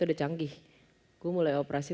udah canggih gue mulai operasi